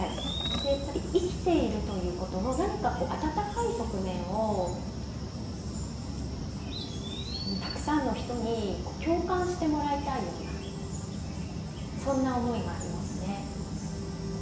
で生きているということの何か温かい側面をたくさんの人に共感してもらいたいようなそんな思いがありますね。